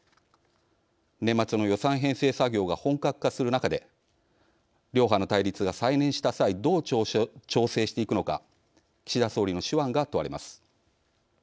年末の予算編成作業が本格化する中で両派の対立が再燃した際どう調整していくのか岸田総理の手腕が問われます。